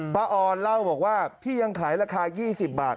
ออนเล่าบอกว่าพี่ยังขายราคา๒๐บาท